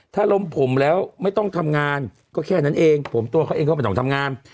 ถ้าลมผมแล้วไม่ต้องทำงานก็แค่นั้นเองผมตัวเขาเองก็ไม่ต้องทำงาน